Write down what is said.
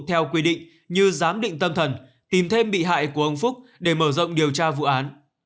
theo quy định như giám định tâm thần tìm thêm bị hại của ông phúc để mở rộng điều tra vụ án